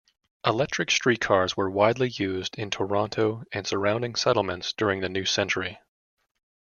Electric streetcars were widely used in Toronto and surrounding settlements during the new century.